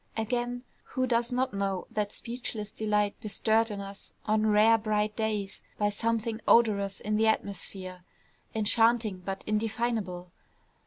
Again, who does not know that speechless delight bestirred in us on rare bright days by something odorous in the atmosphere, enchanting, but indefinable?